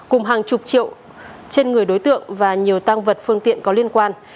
cùng hàng chục triệu trên người đối tượng và nhiều tăng vật phương tiện có liên quan